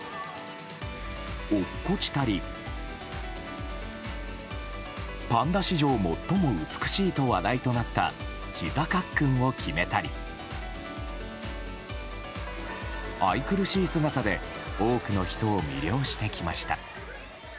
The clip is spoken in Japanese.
落っこちたりパンダ史上最も美しいと話題となったひざかっくんを決めたり愛くるしい姿で多くの人を魅了してきました。